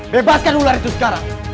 bebaskan ular itu sekarang